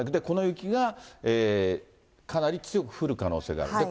この雪がかなり強く降る可能性がある。